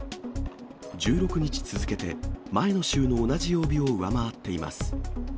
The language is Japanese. １６日続けて前の週の同じ曜日を上回っています。